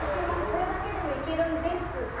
これだけでもいけるんですが。